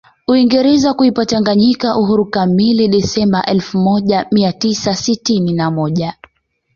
Uingereza kuipa Tanganyika uhuru kamili Disemba elfu moja Mia tisa sitini na moja